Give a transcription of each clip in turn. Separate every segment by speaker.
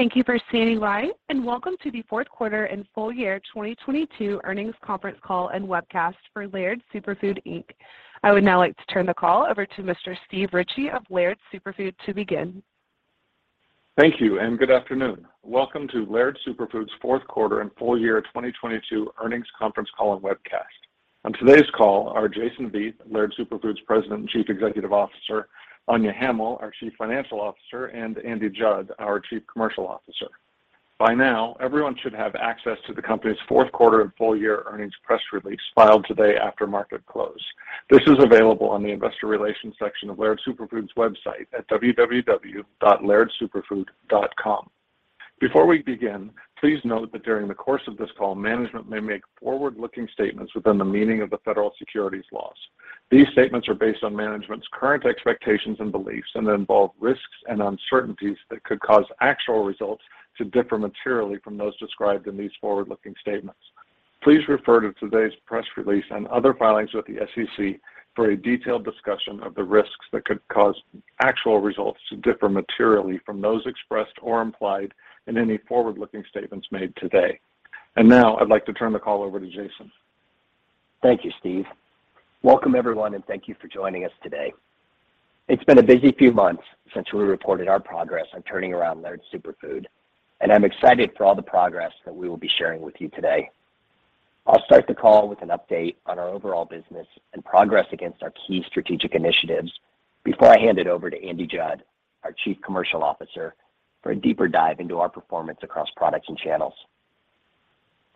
Speaker 1: Thank you for standing by, and welcome to the fourth quarter and full year 2022 earnings conference call and webcast for Laird Superfood, Inc. I would now like to turn the call over to Mr. Steve Ritchie of Laird Superfood to begin.
Speaker 2: Thank you and good afternoon. Welcome to Laird Superfood's fourth quarter and full year 2022 earnings conference call and webcast. On today's call are Jason Vieth, Laird Superfood's President and Chief Executive Officer, Anya Hamill, our Chief Financial Officer, and Andrew Judd, our Chief Commercial Officer. By now, everyone should have access to the company's fourth quarter and full year earnings press release filed today after market close. This is available on the investor relations section of Laird Superfood's website at www.lairdsuperfood.com. Before we begin, please note that during the course of this call, management may make forward-looking statements within the meaning of the Federal Securities laws. These statements are based on management's current expectations and beliefs and involve risks and uncertainties that could cause actual results to differ materially from those described in these forward-looking statements. Please refer to today's press release and other filings with the SEC for a detailed discussion of the risks that could cause actual results to differ materially from those expressed or implied in any forward-looking statements made today. Now I'd like to turn the call over to Jason.
Speaker 3: Thank you, Steve. Welcome, everyone, and thank you for joining us today. It's been a busy few months since we reported our progress on turning around Laird Superfood, and I'm excited for all the progress that we will be sharing with you today. I'll start the call with an update on our overall business and progress against our key strategic initiatives before I hand it over to Andrew Judd, our Chief Commercial Officer, for a deeper dive into our performance across products and channels.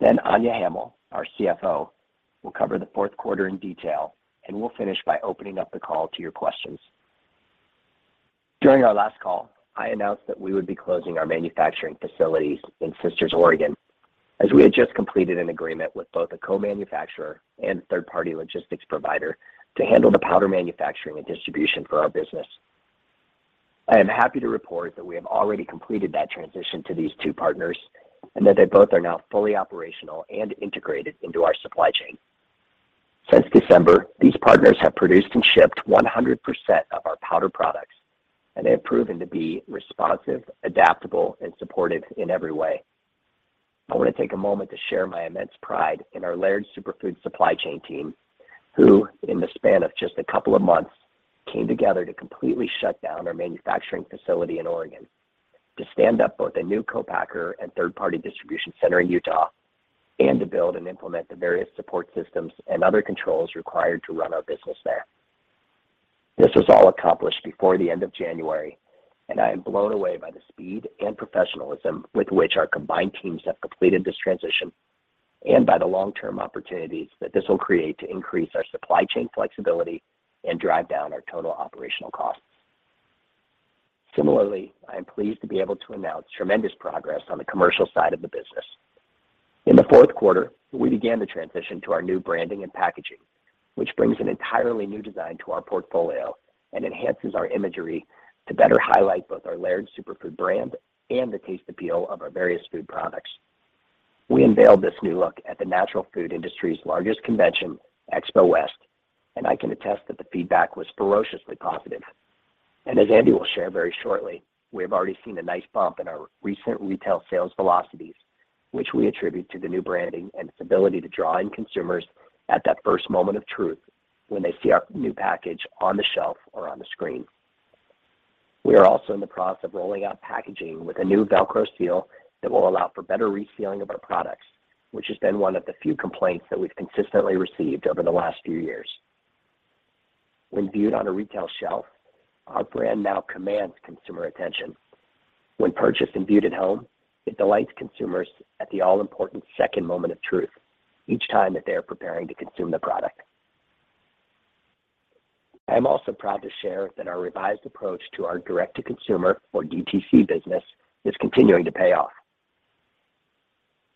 Speaker 3: Anya Hamill, our CFO, will cover the fourth quarter in detail, and we'll finish by opening up the call to your questions. During our last call, I announced that we would be closing our manufacturing facility in Sisters, Oregon, as we had just completed an agreement with both a co-manufacturer and third-party logistics provider to handle the powder manufacturing and distribution for our business. I am happy to report that we have already completed that transition to these two partners and that they both are now fully operational and integrated into our supply chain. Since December, these partners have produced and shipped 100% of our powder products, and they have proven to be responsive, adaptable, and supportive in every way. I want to take a moment to share my immense pride in our Laird Superfood supply chain team, who, in the span of just a couple of months, came together to completely shut down our manufacturing facility in Oregon to stand up both a new co-packer and third-party distribution center in Utah and to build and implement the various support systems and other controls required to run our business there. This was all accomplished before the end of January, and I am blown away by the speed and professionalism with which our combined teams have completed this transition and by the long-term opportunities that this will create to increase our supply chain flexibility and drive down our total operational costs. Similarly, I am pleased to be able to announce tremendous progress on the commercial side of the business. In the fourth quarter, we began the transition to our new branding and packaging, which brings an entirely new design to our portfolio and enhances our imagery to better highlight both our Laird Superfood brand and the taste appeal of our various food products. We unveiled this new look at the natural food industry's largest convention, Expo West, and I can attest that the feedback was ferociously positive. As Andy will share very shortly, we have already seen a nice bump in our recent retail sales velocities, which we attribute to the new branding and its ability to draw in consumers at that first moment of truth when they see our new package on the shelf or on the screen. We are also in the process of rolling out packaging with a new Velcro seal that will allow for better resealing of our products, which has been one of the few complaints that we've consistently received over the last few years. When viewed on a retail shelf, our brand now commands consumer attention. When purchased and viewed at home, it delights consumers at the all-important second moment of truth each time that they are preparing to consume the product. I am also proud to share that our revised approach to our direct-to-consumer or DTC business is continuing to pay off.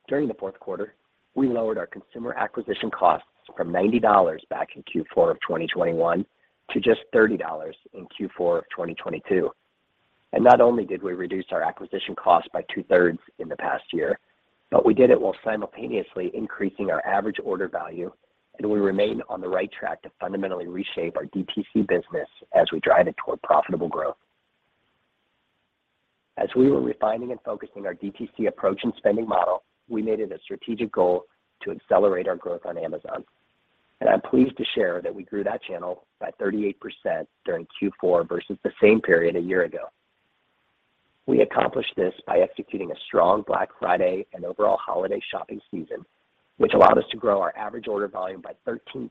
Speaker 3: During the fourth quarter, we lowered our consumer acquisition costs from $90 back in Q4 of 2021 to just $30 in Q4 of 2022. Not only did we reduce our acquisition costs by two-thirds in the past year, but we did it while simultaneously increasing our average order value, and we remain on the right track to fundamentally reshape our DTC business as we drive it toward profitable growth. As we were refining and focusing our DTC approach and spending model, we made it a strategic goal to accelerate our growth on Amazon. I'm pleased to share that we grew that channel by 38% during Q4 versus the same period a year ago. We accomplished this by executing a strong Black Friday and overall holiday shopping season, which allowed us to grow our average order volume by 13%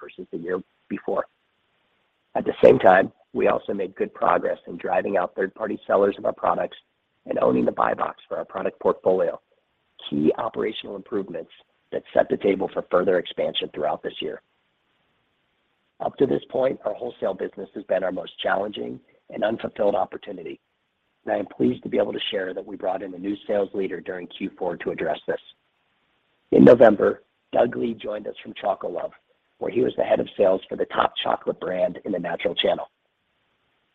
Speaker 3: versus the year before. At the same time, we also made good progress in driving out third-party sellers of our products and owning the buy box for our product portfolio, key operational improvements that set the table for further expansion throughout this year. Up to this point, our wholesale business has been our most challenging and unfulfilled opportunity. I am pleased to be able to share that we brought in a new sales leader during Q4 to address this. In November, Doug Lee joined us from Chocolove, where he was the head of sales for the top chocolate brand in the natural channel.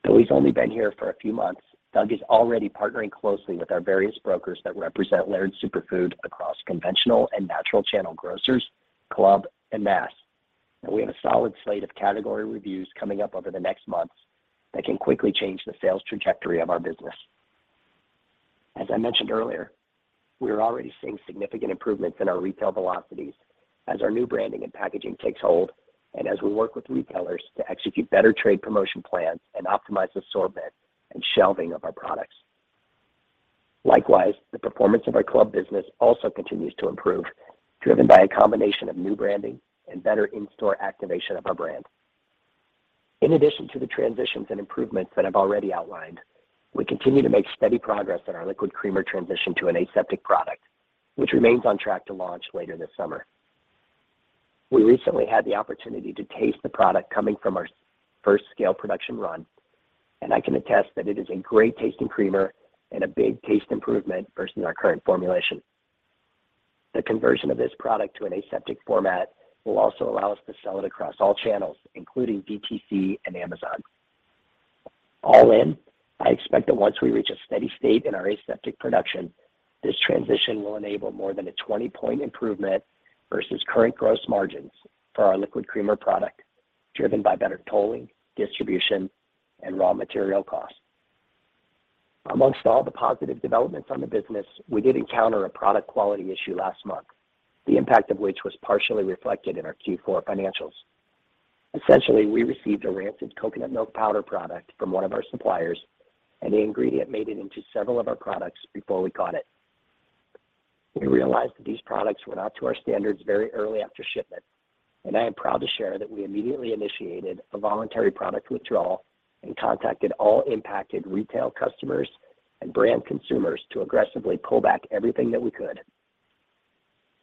Speaker 3: Though he's only been here for a few months, Doug is already partnering closely with our various brokers that represent Laird Superfood across conventional and natural channel grocers, club, and mass. We have a solid slate of category reviews coming up over the next months that can quickly change the sales trajectory of our business. As I mentioned earlier, we are already seeing significant improvements in our retail velocities as our new branding and packaging takes hold and as we work with retailers to execute better trade promotion plans and optimize assortment and shelving of our products. Likewise, the performance of our club business also continues to improve, driven by a combination of new branding and better in-store activation of our brand. In addition to the transitions and improvements that I've already outlined, we continue to make steady progress in our Liquid Creamer transition to an aseptic product, which remains on track to launch later this summer. We recently had the opportunity to taste the product coming from our first scale production run, and I can attest that it is a great-tasting creamer and a big taste improvement versus our current formulation. The conversion of this product to an aseptic format will also allow us to sell it across all channels, including DTC and Amazon. All in, I expect that once we reach a steady state in our aseptic production, this transition will enable more than a 20 point improvement versus current gross margins for our Liquid Creamer product, driven by better tolling, distribution, and raw material costs. Amongst all the positive developments on the business, we did encounter a product quality issue last month, the impact of which was partially reflected in our Q4 financials. Essentially, we received a rancid coconut milk powder product from one of our suppliers, and the ingredient made it into several of our products before we caught it. We realized that these products were not to our standards very early after shipment, and I am proud to share that we immediately initiated a voluntary product withdrawal and contacted all impacted retail customers and brand consumers to aggressively pull back everything that we could.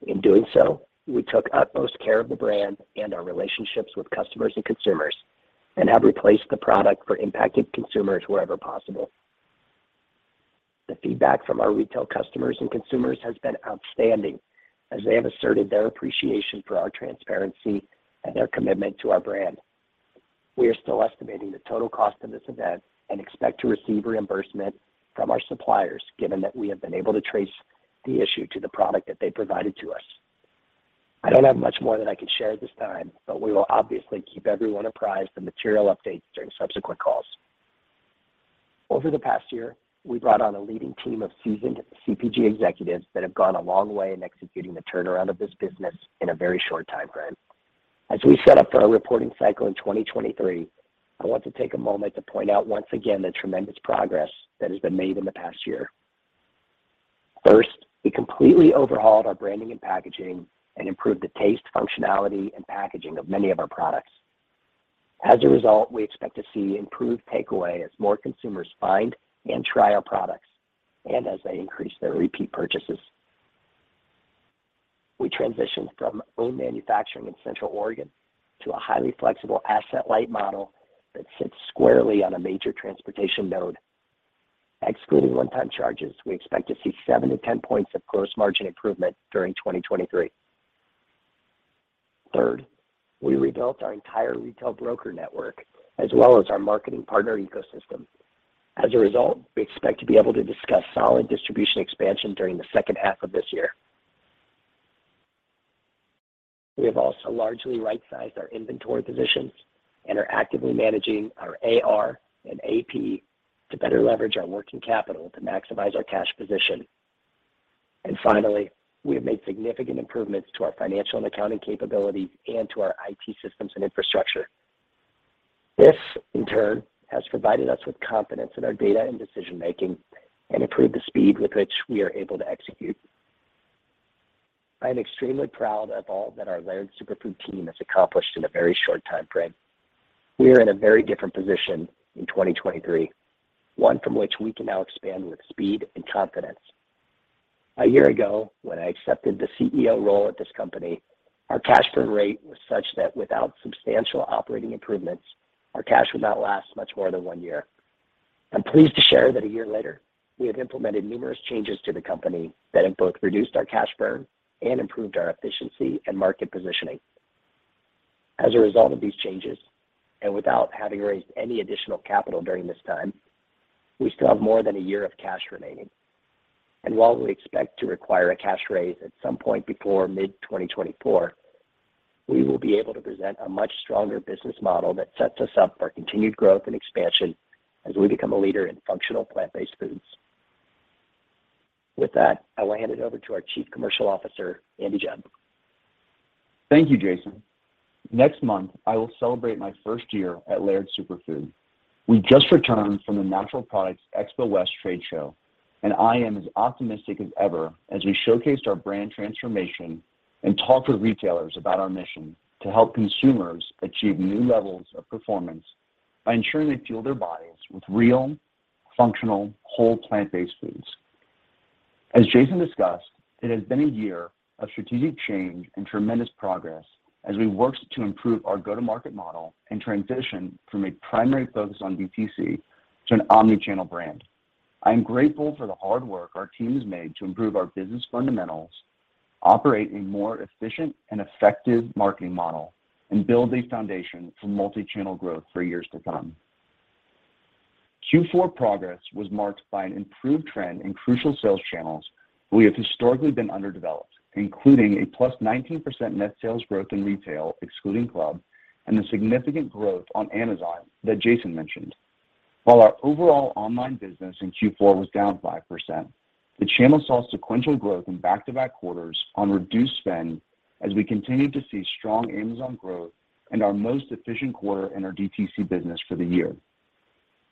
Speaker 3: In doing so, we took utmost care of the brand and our relationships with customers and consumers and have replaced the product for impacted consumers wherever possible. The feedback from our retail customers and consumers has been outstanding as they have asserted their appreciation for our transparency and their commitment to our brand. We are still estimating the total cost of this event and expect to receive reimbursement from our suppliers given that we have been able to trace the issue to the product that they provided to us. I don't have much more that I can share at this time, but we will obviously keep everyone apprised of material updates during subsequent calls. Over the past year, we brought on a leading team of seasoned CPG executives that have gone a long way in executing the turnaround of this business in a very short timeframe. As we set up for our reporting cycle in 2023, I want to take a moment to point out once again the tremendous progress that has been made in the past year. First, we completely overhauled our branding and packaging and improved the taste, functionality, and packaging of many of our products. As a result, we expect to see improved takeaway as more consumers find and try our products and as they increase their repeat purchases. We transitioned from owned manufacturing in Central Oregon to a highly flexible asset-light model that sits squarely on a major transportation node. Excluding one-time charges, we expect to see seven-10 points of gross margin improvement during 2023. Third, we rebuilt our entire retail broker network as well as our marketing partner ecosystem. We expect to be able to discuss solid distribution expansion during the second half of this year. We have also largely right-sized our inventory positions and are actively managing our AR and AP to better leverage our working capital to maximize our cash position. Finally, we have made significant improvements to our financial and accounting capabilities and to our IT systems and infrastructure. This, in turn, has provided us with confidence in our data and decision-making and improved the speed with which we are able to execute. I am extremely proud of all that our Laird Superfood team has accomplished in a very short timeframe. We are in a very different position in 2023, one from which we can now expand with speed and confidence. A year ago, when I accepted the CEO role at this company, our cash burn rate was such that without substantial operating improvements, our cash would not last much more than one year. I'm pleased to share that a year later, we have implemented numerous changes to the company that have both reduced our cash burn and improved our efficiency and market positioning. As a result of these changes, without having raised any additional capital during this time, we still have more than a year of cash remaining. While we expect to require a cash raise at some point before mid-2024, we will be able to present a much stronger business model that sets us up for continued growth and expansion as we become a leader in functional plant-based foods. With that, I will hand it over to our Chief Commercial Officer, Andrew Judd.
Speaker 4: Thank you, Jason. Next month, I will celebrate my first year at Laird Superfood. We just returned from the Natural Products Expo West Trade Show, and I am as optimistic as ever as we showcased our brand transformation and talked with retailers about our mission to help consumers achieve new levels of performance by ensuring they fuel their bodies with real, functional, whole plant-based foods. As Jason discussed, it has been a year of strategic change and tremendous progress as we worked to improve our go-to-market model and transition from a primary focus on DTC to an omni-channel brand. I am grateful for the hard work our team has made to improve our business fundamentals, operate a more efficient and effective marketing model, and build a foundation for multi-channel growth for years to come. Q4 progress was marked by an improved trend in crucial sales channels we have historically been underdeveloped, including a +19% net sales growth in retail, excluding club, and the significant growth on Amazon that Jason mentioned. While our overall online business in Q4 was down 5%, the channel saw sequential growth in back-to-back quarters on reduced spend as we continued to see strong Amazon growth and our most efficient quarter in our DTC business for the year.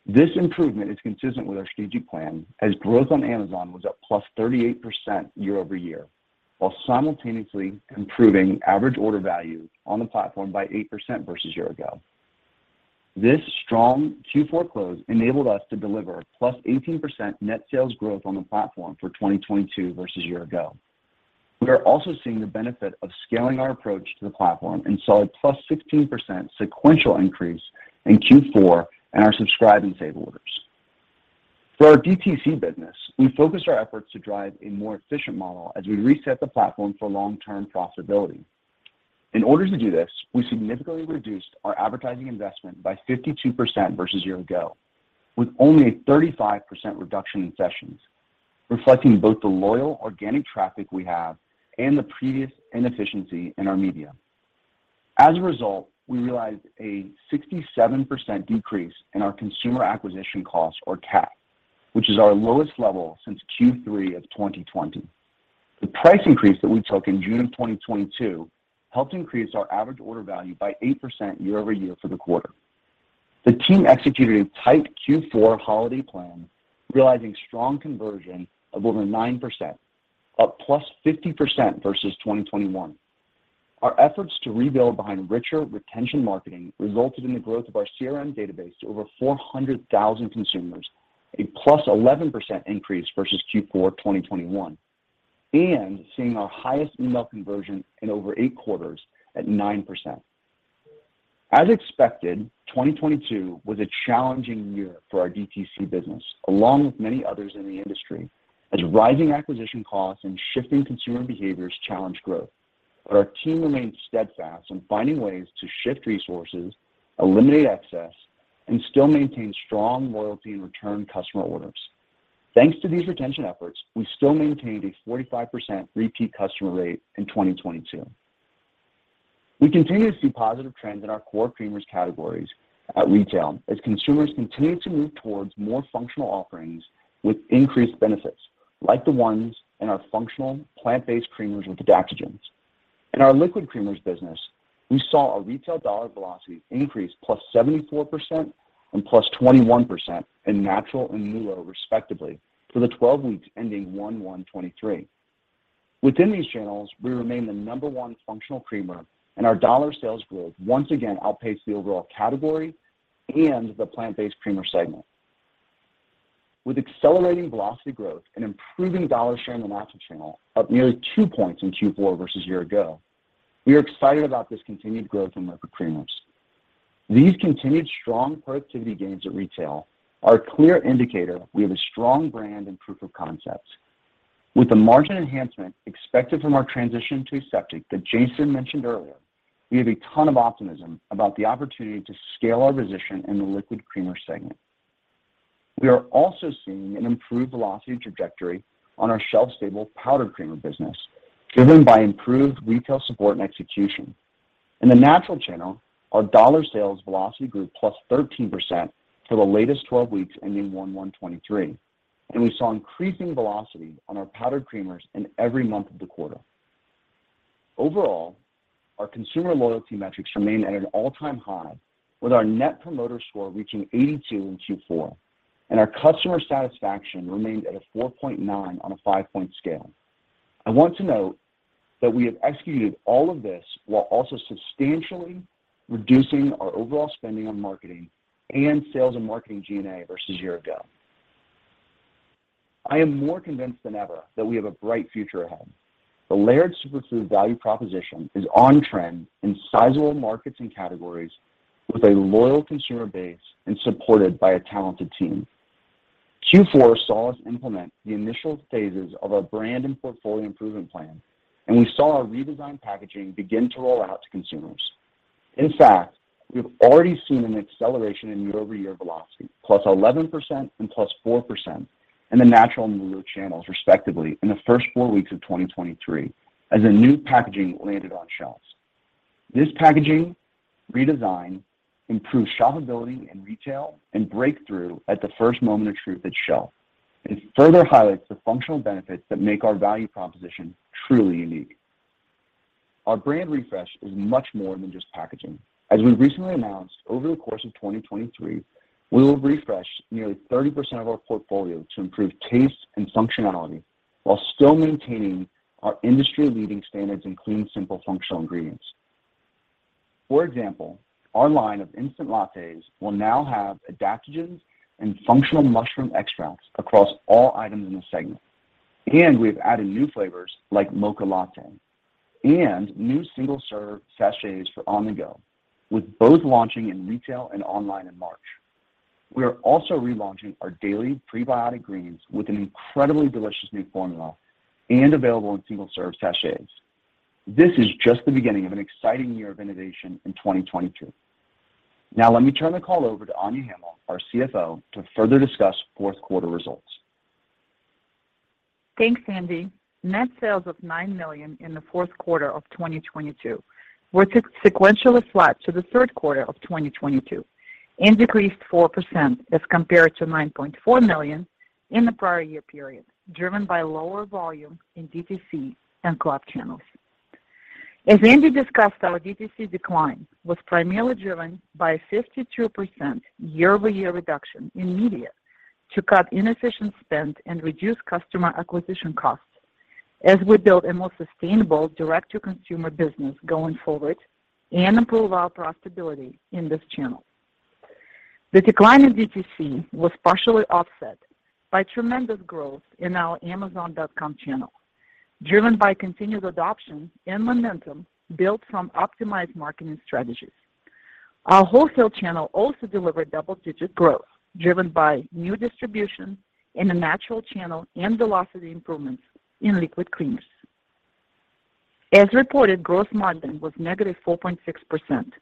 Speaker 4: This improvement is consistent with our strategic plan as growth on Amazon was up +38% year-over-year, while simultaneously improving average order value on the platform by 8% versus year ago. This strong Q4 close enabled us to deliver +18% net sales growth on the platform for 2022 versus year ago. We are also seeing the benefit of scaling our approach to the platform and saw a +16% sequential increase in Q4 in our Subscribe & Save orders. For our DTC business, we focused our efforts to drive a more efficient model as we reset the platform for long-term profitability. In order to do this, we significantly reduced our advertising investment by 52% versus year ago, with only a 35% reduction in sessions, reflecting both the loyal organic traffic we have and the previous inefficiency in our media. As a result, we realized a 67% decrease in our consumer acquisition cost or CAC, which is our lowest level since Q3 of 2020. The price increase that we took in June of 2022 helped increase our average order value by 8% year-over-year for the quarter. The team executed a tight Q4 holiday plan, realizing strong conversion of over 9%, up +50% versus 2021. Our efforts to rebuild behind richer retention marketing resulted in the growth of our CRM database to over 400,000 consumers, a +11% increase versus Q4 2021, and seeing our highest email conversion in over eight quarters at 9%. As expected, 2022 was a challenging year for our DTC business, along with many others in the industry, as rising acquisition costs and shifting consumer behaviors challenged growth. Our team remained steadfast in finding ways to shift resources, eliminate excess, and still maintain strong loyalty and return customer orders. Thanks to these retention efforts, we still maintained a 45% repeat customer rate in 2022. We continue to see positive trends in our core creamers categories at retail as consumers continue to move towards more functional offerings with increased benefits, like the ones in our functional plant-based creamers with adaptogens. In our liquid creamers business, we saw our retail dollar velocity increase +74% and +21% in natural and MULO, respectively, for the 12 weeks ending 1/1/2023. Within these channels, we remain the number one functional creamer, and our dollar sales growth once again outpaced the overall category and the plant-based creamer segment. With accelerating velocity growth and improving dollar share in the natural channel, up nearly two points in Q4 versus year-ago, we are excited about this continued growth in liquid creamers. These continued strong productivity gains at retail are a clear indicator we have a strong brand and proof of concept. With the margin enhancement expected from our transition to aseptic that Jason mentioned earlier, we have a ton of optimism about the opportunity to scale our position in the Liquid Creamer segment. We are also seeing an improved velocity trajectory on our shelf-stable powdered creamer business, driven by improved retail support and execution. In the natural channel, our dollar sales velocity grew +13% for the latest 12 weeks ending 1/1/2023. We saw increasing velocity on our powdered creamers in every month of the quarter. Overall, our consumer loyalty metrics remain at an all-time high, with our Net Promoter Score reaching 82 in Q4. Our customer satisfaction remained at a 4.9 on a five-point scale. I want to note that we have executed all of this while also substantially reducing our overall spending on marketing and sales and marketing G&A versus year ago. I am more convinced than ever that we have a bright future ahead. The Laird Superfood value proposition is on trend in sizable markets and categories with a loyal consumer base and supported by a talented team. Q4 saw us implement the initial phases of our brand and portfolio improvement plan. We saw our redesigned packaging begin to roll out to consumers. In fact, we've already seen an acceleration in year-over-year velocity, +11% and +4% in the natural and MULO channels, respectively, in the first four weeks of 2023 as the new packaging landed on shelves. This packaging redesign improves shopability in retail and breakthrough at the first moment of truth at shelf, further highlights the functional benefits that make our value proposition truly unique. Our brand refresh is much more than just packaging. As we recently announced, over the course of 2023, we will refresh nearly 30% of our portfolio to improve taste and functionality while still maintaining our industry-leading standards in clean, simple, functional ingredients. For example, our line of Instant Lattes will now have adaptogens and functional mushroom extracts across all items in the segment. We have added new flavors like Mocha Latte and new single-serve sachets for on-the-go, with both launching in retail and online in March. We are also relaunching our Prebiotic Daily Greens with an incredibly delicious new formula and available in single-serve sachets. This is just the beginning of an exciting year of innovation in 2022. Let me turn the call over to Anya Hamill, our CFO, to further discuss fourth quarter results.
Speaker 5: Thanks, Andy. Net sales of $9 million in the fourth quarter of 2022 were sequentially flat to the third quarter of 2022 and decreased 4% as compared to $9.4 million in the prior year period, driven by lower volume in DTC and club channels. As Andy discussed, our DTC decline was primarily driven by a 52% year-over-year reduction in media to cut inefficient spend and reduce customer acquisition costs as we build a more sustainable direct-to-consumer business going forward and improve our profitability in this channel. The decline in DTC was partially offset by tremendous growth in our Amazon.com channel, driven by continued adoption and momentum built from optimized marketing strategies. Our wholesale channel also delivered double-digit growth, driven by new distribution in the natural channel and velocity improvements in Liquid Creamer. As reported, gross margin was -4.6%,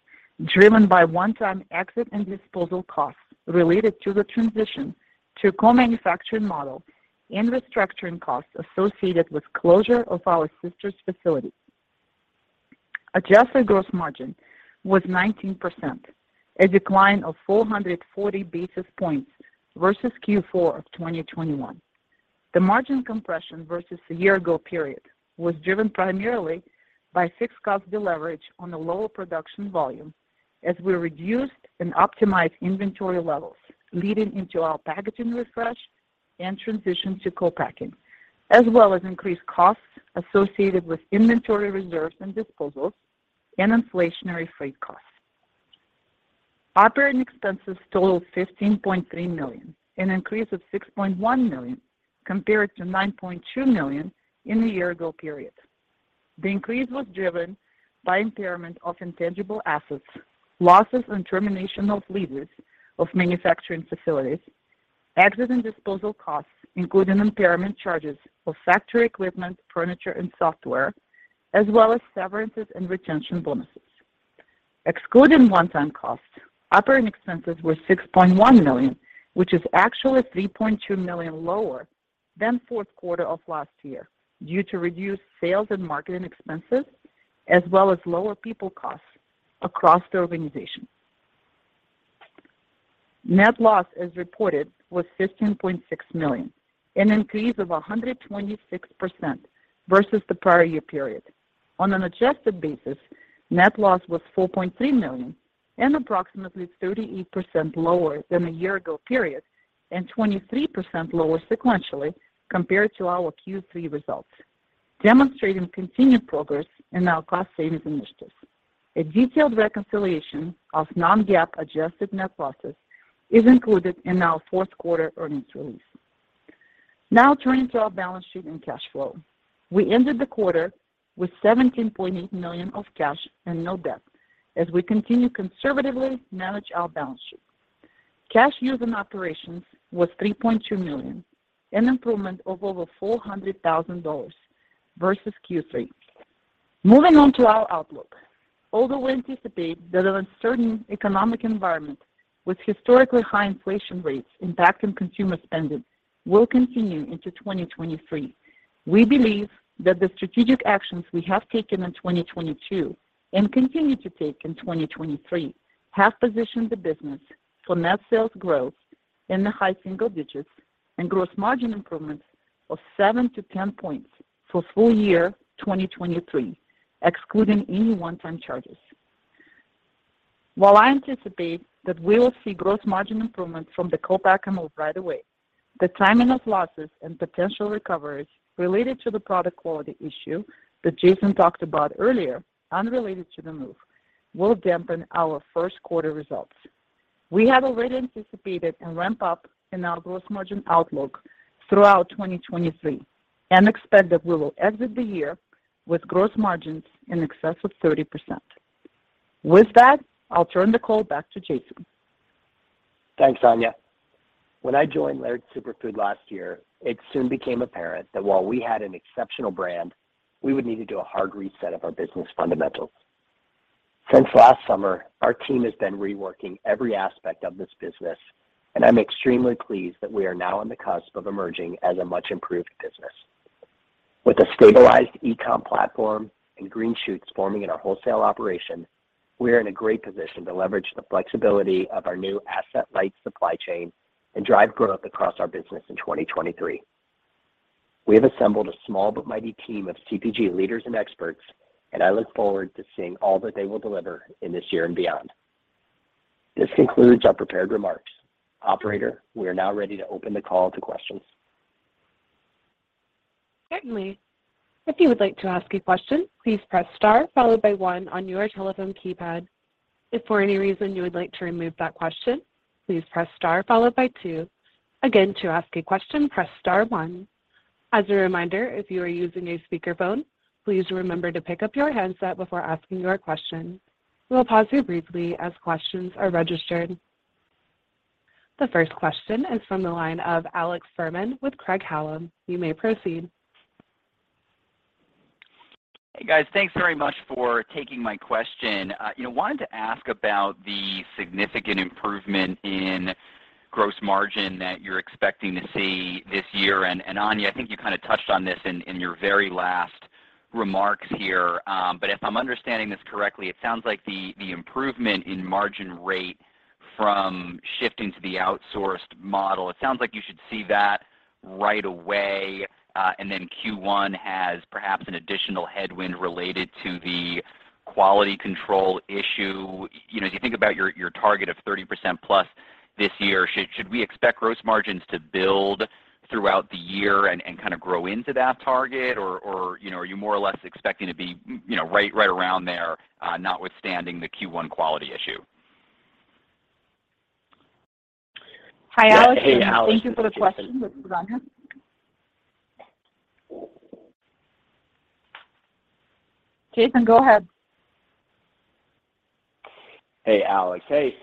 Speaker 5: driven by one-time exit and disposal costs related to the transition to a co-manufacturing model and restructuring costs associated with closure of our Sisters facility. Adjusted gross margin was 19%, a decline of 440 basis points versus Q4 of 2021. The margin compression versus a year ago period was driven primarily by fixed cost deleverage on the lower production volume as we reduced and optimized inventory levels leading into our packaging refresh and transition to co-packing, as well as increased costs associated with inventory reserves and disposals and inflationary freight costs. Operating expenses totaled $15.3 million, an increase of $6.1 million compared to $9.2 million in the year ago period. The increase was driven by impairment of intangible assets, losses and termination of leases of manufacturing facilities, exit and disposal costs, including impairment charges for factory equipment, furniture, and software, as well as severances and retention bonuses. Excluding one-time costs, operating expenses were $6.1 million, which is actually $3.2 million lower than fourth quarter of last year due to reduced sales and marketing expenses as well as lower people costs across the organization. Net loss, as reported, was $15.6 million, an increase of 126% versus the prior year period. On an adjusted basis, net loss was $4.3 million and approximately 38% lower than the year ago period and 23% lower sequentially compared to our Q3 results, demonstrating continued progress in our cost savings initiatives. A detailed reconciliation of non-GAAP adjusted net losses is included in our fourth quarter earnings release. Turning to our balance sheet and cash flow. We ended the quarter with $17.8 million of cash and no debt as we continue conservatively manage our balance sheet. Cash used in operations was $3.2 million, an improvement of over $400,000 versus Q3. Moving on to our outlook. Although we anticipate that an uncertain economic environment with historically high inflation rates impacting consumer spending will continue into 2023, we believe that the strategic actions we have taken in 2022 and continue to take in 2023 have positioned the business for net sales growth in the high single digits and gross margin improvements of seven-10 points for full year 2023, excluding any one-time charges. While I anticipate that we will see gross margin improvements from the co-packer move right away, the timing of losses and potential recoveries related to the product quality issue that Jason talked about earlier, unrelated to the move, will dampen our first quarter results. We have already anticipated and ramped up in our gross margin outlook throughout 2023 and expect that we will exit the year with gross margins in excess of 30%. With that, I'll turn the call back to Jason.
Speaker 3: Thanks, Anya. When I joined Laird Superfood last year, it soon became apparent that while we had an exceptional brand, we would need to do a hard reset of our business fundamentals. Since last summer, our team has been reworking every aspect of this business, and I'm extremely pleased that we are now on the cusp of emerging as a much improved business. With a stabilized e-com platform and green shoots forming in our wholesale operation, we are in a great position to leverage the flexibility of our new asset-light supply chain and drive growth across our business in 2023. We have assembled a small but mighty team of CPG leaders and experts, and I look forward to seeing all that they will deliver in this year and beyond. This concludes our prepared remarks. Operator, we are now ready to open the call to questions.
Speaker 1: Certainly. If you would like to ask a question, please press star followed by one on your telephone keypad. If for any reason you would like to remove that question, please press star followed by two. Again, to ask a question, press star one. As a reminder, if you are using a speakerphone, please remember to pick up your handset before asking your question. We'll pause here briefly as questions are registered. The first question is from the line of Alex Fuhrman with Craig-Hallum. You may proceed.
Speaker 6: Hey, guys. Thanks very much for taking my question. you know, wanted to ask about the significant improvement in gross margin that you're expecting to see this year. Anya, I think you kinda touched on this in your very last remarks here. If I'm understanding this correctly, it sounds like the improvement in margin rate from shifting to the outsourced model, it sounds like you should see that right away, and then Q1 has perhaps an additional headwind related to the quality control issue. You know, as you think about your target of 30% plus this year, should we expect gross margins to build throughout the year and kinda grow into that target or, you know, are you more or less expecting to be, you know, right around there, notwithstanding the Q1 quality issue?
Speaker 4: Hi, Alex.
Speaker 6: Hey, Alex. This is Jason.
Speaker 5: Thank you for the question. This is Anya. Jason, go ahead.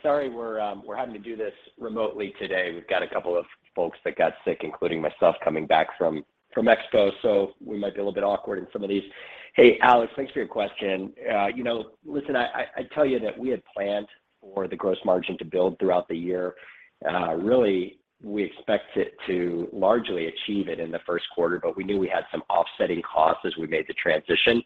Speaker 3: Sorry we're having to do this remotely today. We've got a couple of folks that got sick, including myself, coming back from Expo, we might be a little bit awkward in some of these. Alex, thanks for your question. You know, listen, I tell you that we had planned for the gross margin to build throughout the year. Really we expect it to largely achieve it in the first quarter, we knew we had some offsetting costs as we made the transition.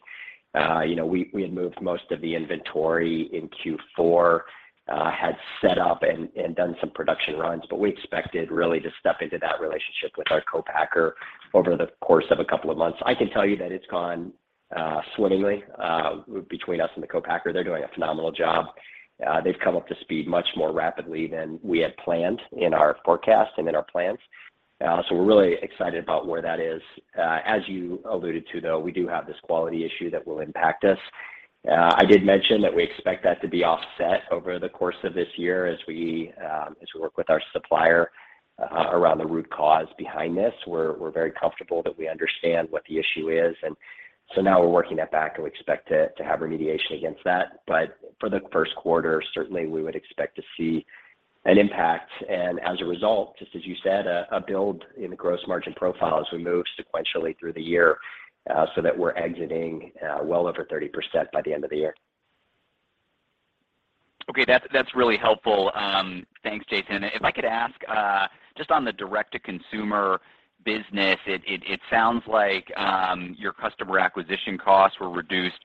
Speaker 3: You know, we had moved most of the inventory in Q4, had set up and done some production runs. We expected really to step into that relationship with our co-packer over the course of a couple of months. I can tell you that it's gone swimmingly between us and the co-packer. They're doing a phenomenal job. They've come up to speed much more rapidly than we had planned in our forecast and in our plans. We're really excited about where that is. As you alluded to, though, we do have this quality issue that will impact us. I did mention that we expect that to be offset over the course of this year as we work with our supplier around the root cause behind this. We're very comfortable that we understand what the issue is. Now we're working that back, and we expect to have remediation against that. For the first quarter, certainly we would expect to see an impact, and as a result, just as you said, a build in the gross margin profile as we move sequentially through the year, so that we're exiting well over 30% by the end of the year.
Speaker 6: Okay. That's really helpful. Thanks, Jason. If I could ask just on the direct-to-consumer business, it sounds like your customer acquisition costs were reduced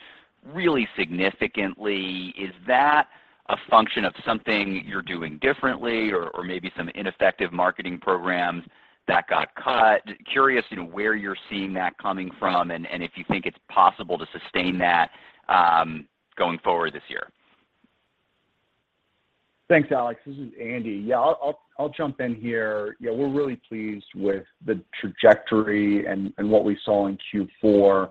Speaker 6: really significantly. Is that a function of something you're doing differently or maybe some ineffective marketing programs that got cut? Curious, you know, where you're seeing that coming from and if you think it's possible to sustain that going forward this year.
Speaker 4: Thanks, Alex. This is Andy. Yeah, I'll jump in here. You know, we're really pleased with the trajectory and what we saw in Q4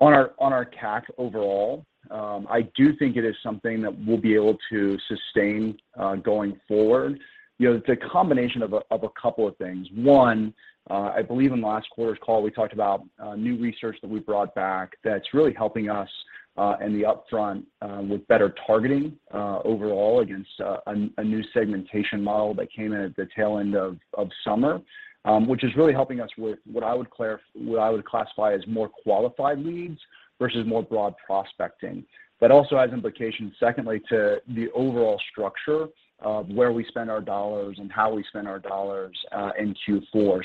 Speaker 4: on our CAC overall. I do think it is something that we'll be able to sustain going forward. You know, it's a combination of a couple of things. One, I believe in last quarter's call, we talked about new research that we brought back that's really helping us in the upfront with better targeting overall against a new segmentation model that came in at the tail end of summer, which is really helping us with what I would classify as more qualified leads versus more broad prospecting. Also has implications, secondly, to the overall structure of where we spend our dollars and how we spend our dollars, in Q4.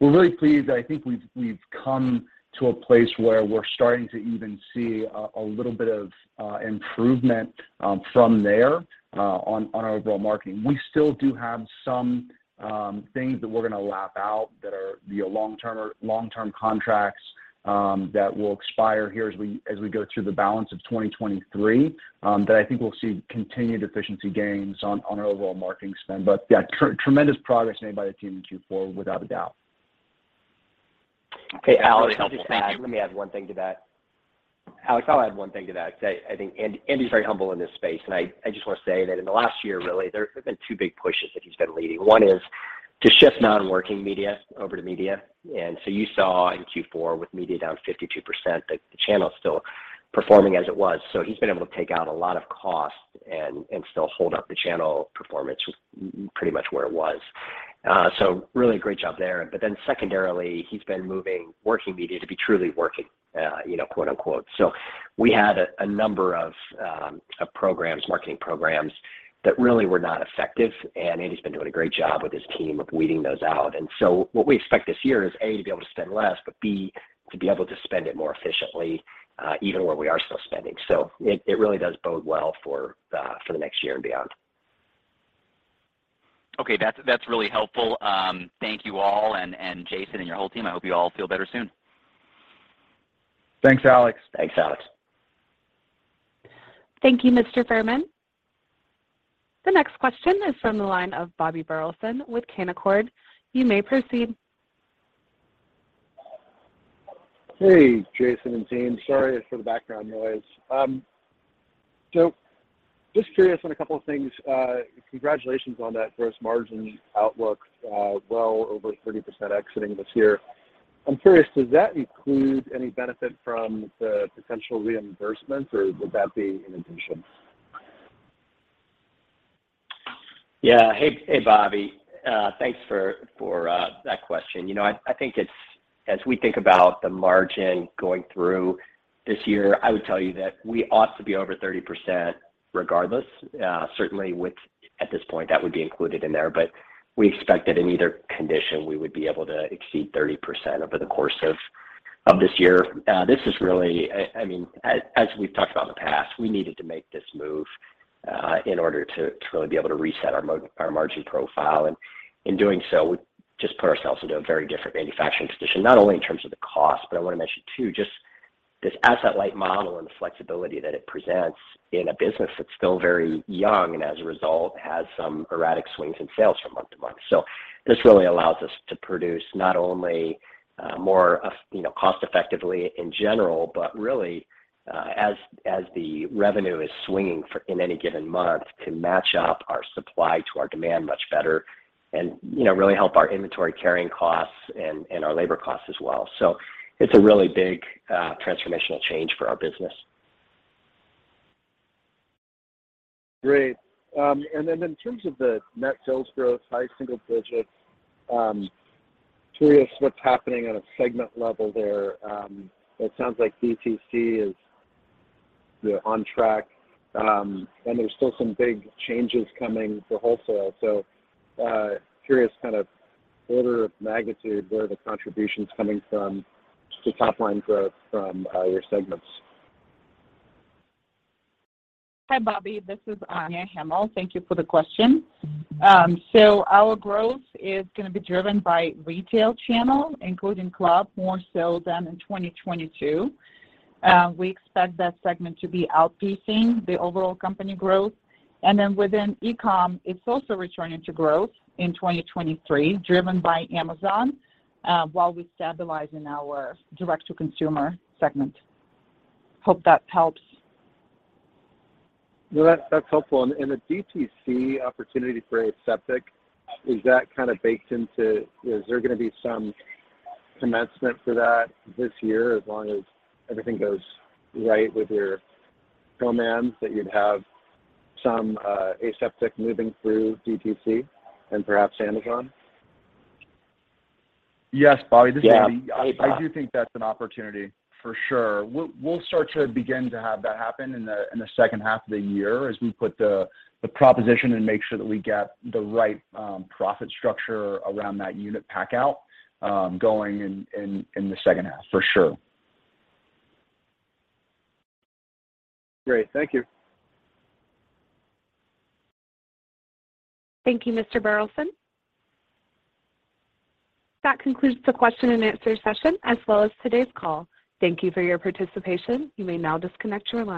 Speaker 4: We're really pleased. I think we've come to a place where we're starting to even see a little bit of improvement from there on our overall marketing. We still do have some things that we're gonna lap out that are, you know, long-term contracts, that will expire here as we go through the balance of 2023, that I think we'll see continued efficiency gains on our overall marketing spend. Yeah, tremendous progress made by the team in Q4, without a doubt.
Speaker 3: Okay, Alex, I'll just add- Let me add one thing to that. Alex, I'll add one thing to that. I think Andy's very humble in this space, and I just wanna say that in the last year really, there have been two big pushes that he's been leading. One is to shift non-working media over to media. You saw in Q4 with media down 52%, the channel's still performing as it was. He's been able to take out a lot of cost and still hold up the channel performance with pretty much where it was. Really great job there. Secondarily, he's been moving working media to be truly working, you know, quote, unquote. We had a number of programs, marketing programs that really were not effective, and Andy's been doing a great job with his team of weeding those out. What we expect this year is, A, to be able to spend less, but B, to be able to spend it more efficiently, even where we are still spending. It really does bode well for the next year and beyond.
Speaker 6: Okay, that's really helpful. Thank you all, and Jason and your whole team, I hope you all feel better soon.
Speaker 4: Thanks, Alex.
Speaker 3: Thanks, Alex.
Speaker 1: Thank you, Mr. Fuhrman. The next question is from the line of Bobby Burleson with Canaccord. You may proceed.
Speaker 7: Hey, Jason and team. Sorry for the background noise. Just curious on a couple of things. Congratulations on that gross margin outlook, well over 30% exiting this year. I'm curious, does that include any benefit from the potential reimbursements, or would that be in addition?
Speaker 3: Yeah. Hey, hey Bobby, thanks for that question. You know, I think it's... As we think about the margin going through this year, I would tell you that we ought to be over 30% regardless. Certainly with, at this point, that would be included in there. We expect that in either condition, we would be able to exceed 30% over the course of this year. This is really, I mean, as we've talked about in the past, we needed to make this move in order to really be able to reset our margin profile. In doing so, we just put ourselves into a very different manufacturing position, not only in terms of the cost, but I want to mention too, just this asset-light model and the flexibility that it presents in a business that's still very young, and as a result, has some erratic swings in sales from month to month. This really allows us to produce not only more of, you know, cost effectively in general, but really, as the revenue is swinging for, in any given month, to match up our supply to our demand much better and, you know, really help our inventory carrying costs and our labor costs as well. It's a really big, transformational change for our business.
Speaker 7: Great. In terms of the net sales growth, high single digits, curious what's happening on a segment level there. It sounds like DTC is, you know, on track, and there's still some big changes coming for wholesale. Curious kind of order of magnitude where the contribution's coming from, just the top line growth from your segments.
Speaker 5: Hi Bobby, this is Anya Hamill. Thank you for the question. Our growth is going to be driven by retail channel, including club, more so than in 2022. We expect that segment to be outpacing the overall company growth. Within e-com, it's also returning to growth in 2023, driven by Amazon, while we stabilize in our direct-to-consumer segment. Hope that helps.
Speaker 7: No, that's helpful. The DTC opportunity for aseptic, is that kind of baked into. Is there gonna be some commencement for that this year, as long as everything goes right with your demands, that you'd have some, aseptic moving through DTC and perhaps Amazon?
Speaker 4: Yes, Bobby. This is Andy.
Speaker 3: Yeah.
Speaker 4: I do think that's an opportunity for sure. We'll start to begin to have that happen in the second half of the year as we put the proposition and make sure that we get the right profit structure around that unit pack out going in the second half for sure.
Speaker 7: Great. Thank you.
Speaker 1: Thank you, Mr. Burleson. That concludes the question and answer session, as well as today's call. Thank you for your participation. You may now disconnect your line.